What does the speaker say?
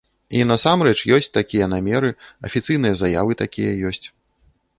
І насамрэч ёсць такія намеры, афіцыйныя заявы такія ёсць.